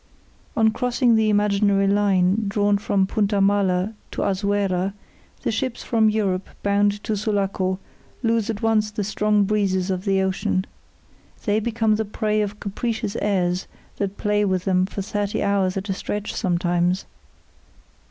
On crossing the imaginary line drawn from Punta Mala to Azuera the ships from Europe bound to Sulaco lose at once the strong breezes of the ocean. They become the prey of capricious airs that play with them for thirty hours at a stretch sometimes.